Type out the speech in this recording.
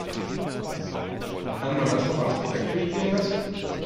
Kann man das noch als korrekt durchgehen lassen?